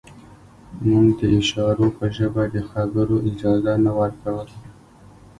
موږ د اشارو په ژبه د خبرو اجازه نه ورکوله